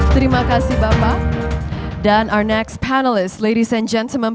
terima kasih bapak dan panelis kami yang seterusnya